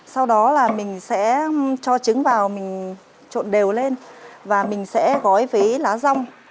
sau đó là mình sẽ cho trứng vào mình trộn đều lên và mình sẽ gói với lá rong